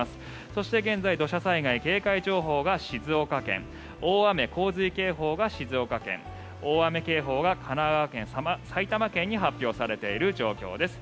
そして現在土砂災害警戒情報が静岡県大雨・洪水警報が静岡県大雨警報が神奈川県、埼玉県に発表されている状況です。